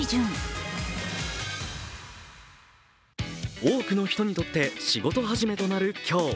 多くの人にとって仕事始めとなる今日。